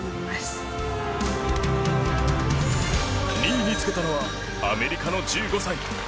２位につけたのはアメリカの１５歳。